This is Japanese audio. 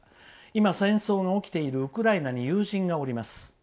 今、戦争が起きているウクライナに友人がおります。